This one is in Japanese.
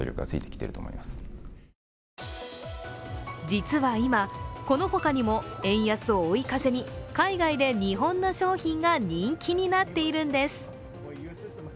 実は今、この他にも円安を追い風に海外で日本の商品が人気になっているんです。